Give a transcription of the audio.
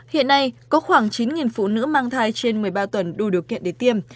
hiện nay có khoảng chín phụ nữ mang thai trên một mươi ba tuần đủ điều kiện để tiêm